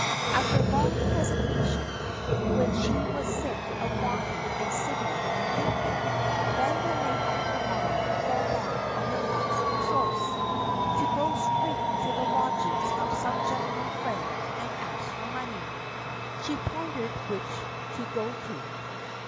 After long hesitation, when she was sick of walking and sitting and thinking, Vanda made up her mind to fall back on her last resource: to go straight to the lodgings of some gentleman friend and ask for money. She pondered which to go to.